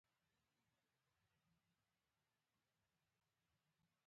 په ډېرو موردونو کې له دیني انګېزو سره مله دي.